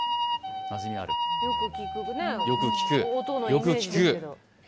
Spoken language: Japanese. よく聞くね。